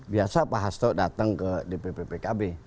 biasa pak hasto datang ke dpw